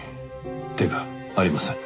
手がありません。